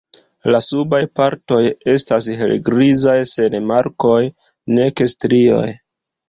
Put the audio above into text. La subaj partoj estas helgrizaj sen markoj nek strioj.